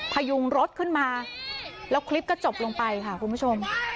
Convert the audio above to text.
พยุงรถขึ้นมาแล้วคลิปก็จบลงไปค่ะคุณผู้ชม